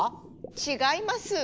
違います。